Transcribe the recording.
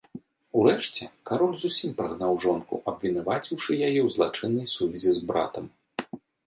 Урэшце, кароль зусім прагнаў жонку, абвінаваціўшы яе ў злачыннай сувязі з братам.